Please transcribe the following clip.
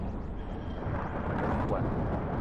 A te kwuan